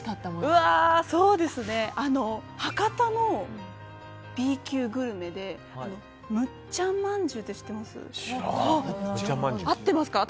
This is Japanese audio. うわー、そうですね博多のＢ級グルメでむっちゃんまんじゅうって知ってますか？